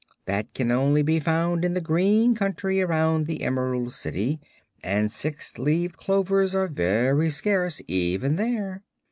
That can only be found in the green country around the Emerald City, and six leaved clovers are very scarce, even there."